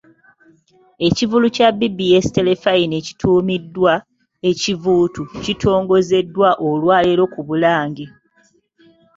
Ekivvulu kya BBS Terefayina ekituumiddwa "Ekivuutu" kitongozeddwa olwaleero ku Bulange.